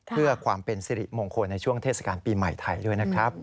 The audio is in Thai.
เพื่อความเป็นสิริมงคลในช่วงเทศกาลปีใหม่ไทยด้วยนะครับ